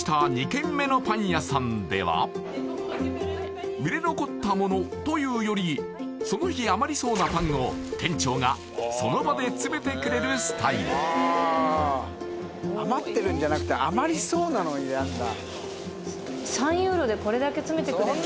２軒目のパン屋さんでは売れ残ったものというよりその日余りそうなパンを店長がその場で詰めてくれるスタイル余ってるんじゃなくて余りそうなのをやんだ